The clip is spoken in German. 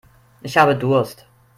Ich habe Durst.